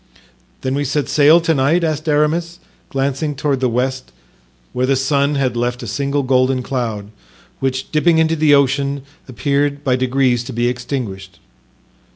"Then we set sail to night?" asked Aramis, glancing toward the west, where the sun had left a single golden cloud, which, dipping into the ocean, appeared by degrees to be extinguished.